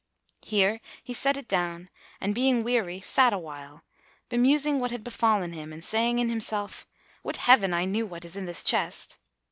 Here he set it down and being weary, sat awhile, bemusing what had befallen him and saying in himself, "Would Heaven I knew what is in this chest!"